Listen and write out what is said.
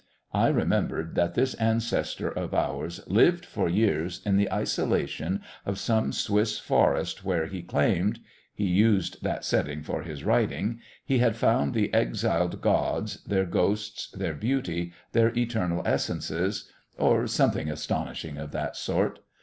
I remembered that this ancestor of ours lived for years in the isolation of some Swiss forest where he claimed he used that setting for his writing he had found the exiled gods, their ghosts, their beauty, their eternal essences or something astonishing of that sort.